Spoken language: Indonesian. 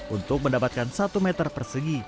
untuk mendapatkan satu meter persegi